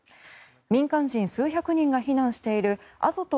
民間人数百人が避難しているアゾト